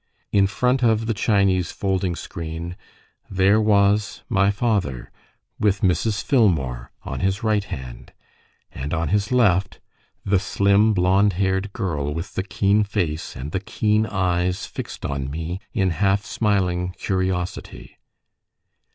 In front of the Chinese folding screen there was my father, with Mrs. Filmore on his right hand, and on his left the slim, blond haired girl, with the keen face and the keen eyes fixed on me in half smiling curiosity.